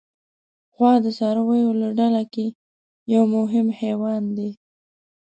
غوا د څارویو له ډله کې یو مهم حیوان دی.